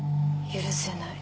許せない。